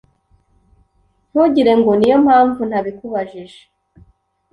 ntugire ngo niyo impamvu ntabikubajije